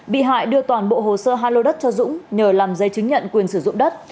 bị hại đưa toàn bộ hồ sơ hai lô đất cho dũng nhờ làm giấy chứng nhận quyền sử dụng đất